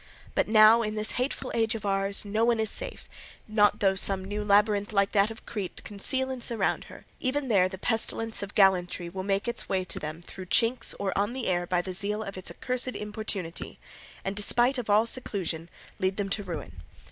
But now in this hateful age of ours not one is safe, not though some new labyrinth like that of Crete conceal and surround her; even there the pestilence of gallantry will make its way to them through chinks or on the air by the zeal of its accursed importunity, and, despite of all seclusion, lead them to ruin.